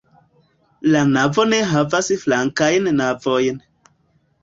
La navo ne havas flankajn navojn.